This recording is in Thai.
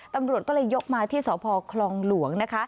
ตำรวจก็เลยยกมาที่สพคลองหลวงนะคะ